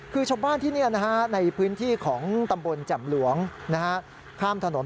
คือชาวบ้านที่เนี่ยนะฮะในพื้นที่ของตำบลจำหลวงนะฮะ